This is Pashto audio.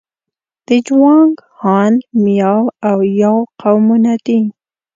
د جوانګ، هان، میاو او یاو قومونه دي.